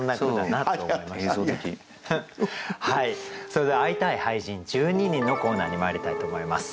それでは「会いたい俳人、１２人」のコーナーにまいりたいと思います。